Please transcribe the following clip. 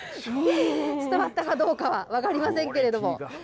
伝わったかどうかは分かりませんけれども。